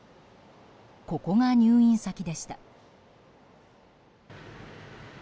ここが入院先でした。